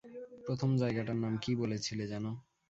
প্রথম জায়গাটার নাম কী বলেছিলে যেন?